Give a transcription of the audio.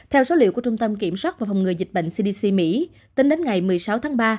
theo số liệu của trung tâm kiểm soát và phòng ngừa dịch bệnh cdc mỹ tính đến ngày một mươi sáu tháng ba